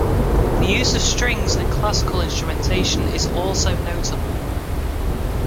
The use of strings and classical instrumentation is also notable.